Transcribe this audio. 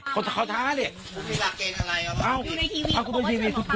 ผมก็ว่าอย่างเดียวผมก็ว่าอย่างเดียว